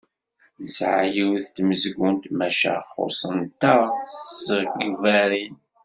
Nesɛa yiwet n tmezgunt, maca xuṣṣent-aɣ tsegbarin.